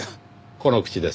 この口です。